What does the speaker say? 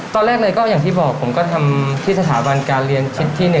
ตอนแรกเลยก็อย่างที่บอกผมก็ทำที่สถาบันการเรียนชุดที่๑